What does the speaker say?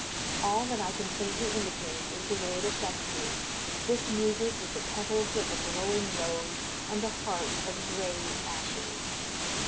All that I can faintly indicate is the way it affects me, this music with the petals of a glowing rose and the heart of gray ashes.